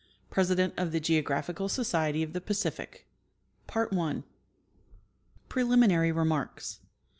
{President of the Geographical Society of the Pacific) Preliminary Remarks.